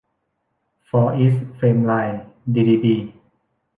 ฟาร์อีสท์ เฟมไลน์ ดีดีบี